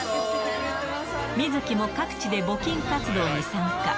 観月も各地で募金活動に参加。